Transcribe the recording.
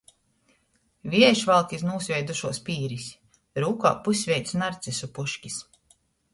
Viejs valk iz nūsveidušuos pīris, rūkā pusveits narcišu puškis.